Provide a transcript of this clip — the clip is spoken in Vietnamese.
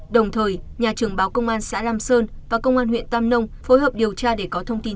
đồng thời nhà trường báo công an xã lam sơn và công an huyện tam nông phối hợp điều tra để có thông tin